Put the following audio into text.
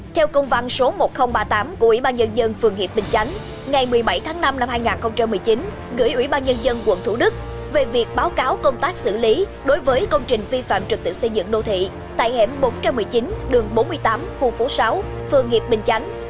theo công văn số một nghìn ba mươi tám của ủy ban nhân dân phường hiệp bình chánh ngày một mươi bảy tháng năm năm hai nghìn một mươi chín gửi ủy ban nhân dân quận thủ đức về việc báo cáo công tác xử lý đối với công trình vi phạm trực tự xây dựng đô thị tại hẻm bốn trăm một mươi chín đường bốn mươi tám khu phố sáu phường hiệp bình chánh